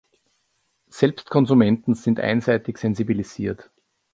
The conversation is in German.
Selbst Konsumenten sind einseitig sensibilisiert.